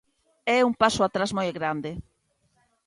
É un paso atrás moi grande.